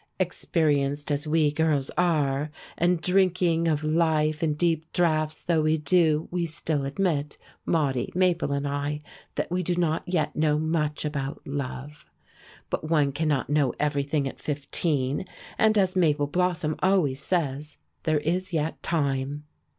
Experienced as we girls are, and drinking of life in deep draughts though we do, we still admit Maudie, Mabel, and I that we do not yet know much about love. But one cannot know everything at fifteen, and, as Mabel Blossom always says, "there is yet time."